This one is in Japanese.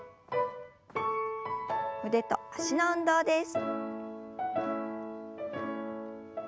腕と脚の運動です。